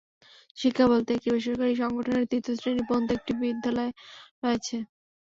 শিক্ষা বলতে একটি বেসরকারি সংগঠনের তৃতীয় শ্রেণি পর্যন্ত একটি বিদ্যালয় রয়েছে।